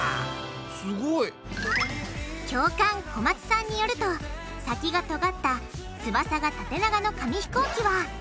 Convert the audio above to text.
すごい！教官小松さんによると先がとがった翼が縦長の紙ひこうきは